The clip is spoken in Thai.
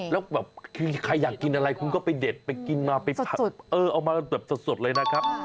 แล้วแบบคือใครอยากกินอะไรคุณก็ไปเด็ดไปกินมาไปผัดเออเอามาแบบสดเลยนะครับ